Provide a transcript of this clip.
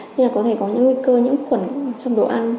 nên là có thể có những nguy cơ nhiễm khuẩn trong đồ ăn